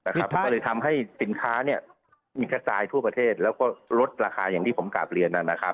ก็เลยทำให้สินค้ามีกระจายทั่วประเทศแล้วก็ลดราคาอย่างที่ผมกลับเรียน